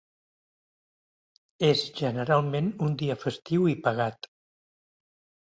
És generalment un dia festiu i pagat.